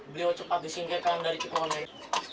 beliau cepat disingkirkan dari cikgu oleg